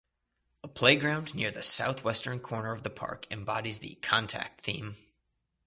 A playground near the southwestern corner of the park embodies the "contact" theme.